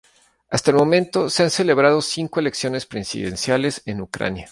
Hasta el momento, se han celebrado cinco elecciones presidenciales en Ucrania.